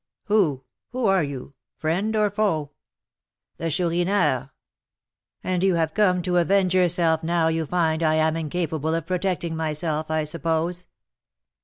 Who? Who are you, friend or foe?" "The Chourineur." "And you have come to avenge yourself now you find I am incapable of protecting myself, I suppose?"